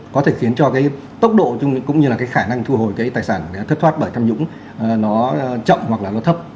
có thể khiến cho cái tốc độ cũng như là cái khả năng thu hồi cái tài sản thất thoát bởi tham nhũng nó chậm hoặc là nó thấp